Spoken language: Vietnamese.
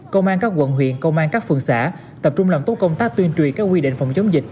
công an các quận huyện công an các phường xã tập trung làm tốt công tác tuyên truyền các quy định phòng chống dịch